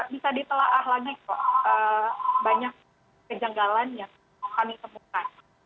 bisa ditelaahlahnya banyak kejanggalan yang kami temukan